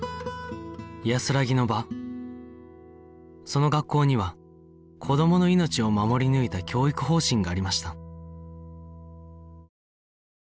その学校には子どもの命を守り抜いた教育方針がありました